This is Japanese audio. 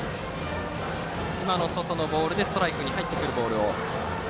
外のボールでストライクに入ってくるものを。